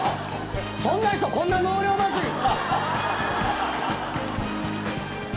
そんな人こんな納涼祭り。